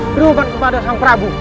berubah kepada sang prabu